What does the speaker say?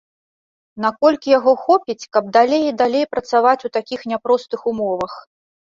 Наколькі яго хопіць, каб далей і далей працаваць у такіх няпростых умовах.